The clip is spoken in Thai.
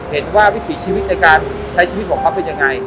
เห็นว่าวิธีชีวิตในการใช้ชีวิตของเขาเป็นยังงั้ย